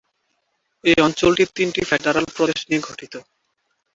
এই অঞ্চলটি তিনটি ফেডারাল প্রদেশ নিয়ে গঠিত।